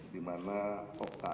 di mana oka